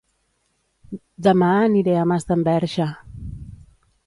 Dema aniré a Masdenverge